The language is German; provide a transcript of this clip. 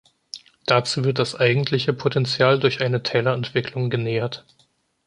Dazu wird das eigentliche Potential durch eine Taylorentwicklung genähert.